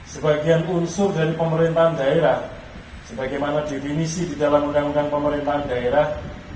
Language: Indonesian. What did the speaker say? sebagian unsur dari pemerintahan daerah sebagaimana definisi di dalam undang undang pemerintahan daerah